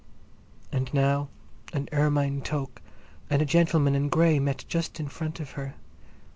And now an ermine toque and a gentleman in grey met just in front of her.